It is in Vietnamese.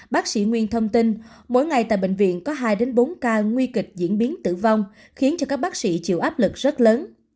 bác sĩ nguyên thông tin mỗi ngày tại bệnh viện có hai bốn ca nguy kịch diễn biến tử vong khiến cho các bác sĩ chịu áp lực rất lớn